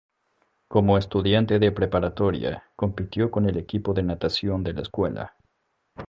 Como estudiante de preparatoria, compitió con el equipo de natación de la escuela.